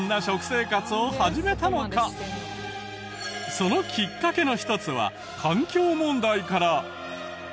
そのきっかけの一つは環境問題から。